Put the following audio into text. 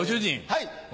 はい。